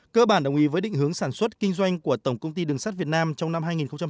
cơ bản đồng ý với định hướng sản xuất kinh doanh của tổng công ty đường sắt việt nam trong năm hai nghìn hai mươi